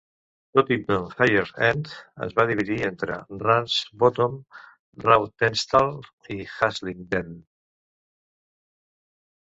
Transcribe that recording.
Tottington Higher End es va dividir entre Ramsbottom, Rawtenstall i Haslingden.